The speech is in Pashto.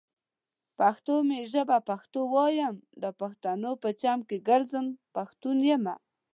پښتو می ژبه پښتو وايم، دا پښتنو په چم کې ګرځم ، پښتون يمه